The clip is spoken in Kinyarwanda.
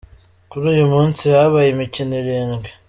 Kuri uyu munsi habaye imikino irindwi.